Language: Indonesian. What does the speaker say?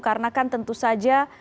karena kan tentu saja